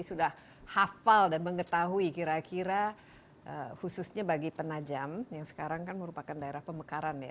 sudah hafal dan mengetahui kira kira khususnya bagi penajam yang sekarang kan merupakan daerah pemekaran ya